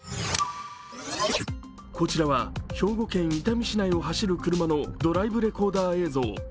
こちらは兵庫県伊丹市内を走る車のドライブレコーダー映像。